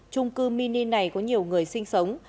trung cư mini này có nhiều người sinh sống